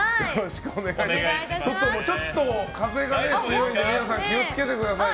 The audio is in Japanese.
外ちょっと風が強いので皆さん気を付けてくださいね。